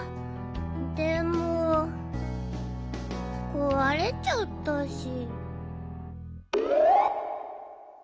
でもこわれちゃったし。